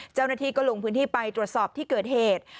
เจ้าหน้าที่ก็ลงพื้นที่ไปตรวจสอบที่เกิดเหตุ